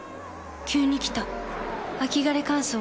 急に来た秋枯れ乾燥。